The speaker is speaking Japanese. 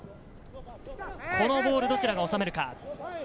このボール、どちらが収めるか。